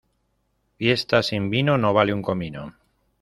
Fiesta sin vino no vale un comino.